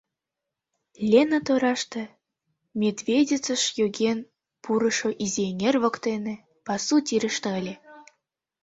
Лена тораште, Медведицыш йоген пурышо изи эҥер воктене, пасу тӱрыштӧ ыле.